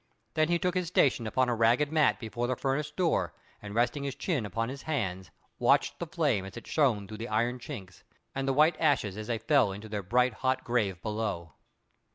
Then he took his station on a ragged mat before the furnace door, and resting his chin upon his hands, watched the flame as it shone through the iron chinks, and the white ashes as they fell into their bright, hot grave below.